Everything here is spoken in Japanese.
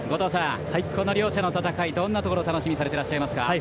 この両者の戦い、どんなところを楽しみにされていますか？